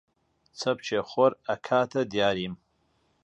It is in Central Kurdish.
چەپکێ خۆر ئەکاتە دیاریم!